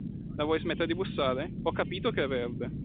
La vuoi smettere di bussare? Ho capito che è verde!